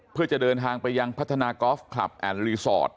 เพื่อจะเดินทางไปยังพัฒนากอล์ฟคลับแอนด์รีสอร์ท